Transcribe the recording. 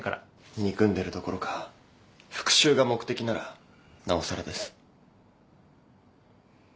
憎んでるどころか復讐が目的ならなおさらです。